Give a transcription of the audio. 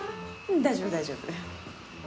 大丈夫大丈夫。